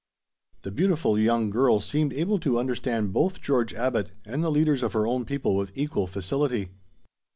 The beautiful young girl seemed able to understand both George Abbot and the leaders of her own people with equal facility.